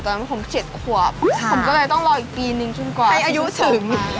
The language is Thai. ตอนนั้นผม๗ขวบผมก็เลยต้องรออีกปีนึงจนกว่าให้อายุถึง